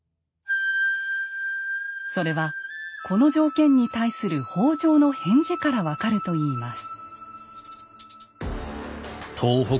それはこの条件に対する北条の返事から分かるといいます。